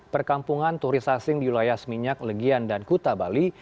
perkampungan turis asing diulayas minyak legian dan kuta bali